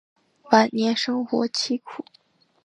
晚年生活凄苦。